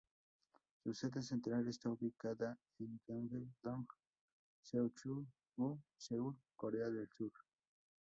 Su sede central está ubicada en Yangjae-dong, Seocho-gu, Seúl, Corea del Sur.